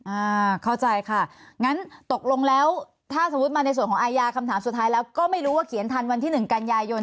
อ่าเข้าใจค่ะงั้นตกลงแล้วถ้าสมมุติมาในส่วนของอาญาคำถามสุดท้ายแล้วก็ไม่รู้ว่าเขียนทันวันที่หนึ่งกันยายน